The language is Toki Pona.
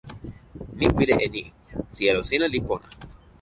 mi wile e ni: sijelo sina li pona.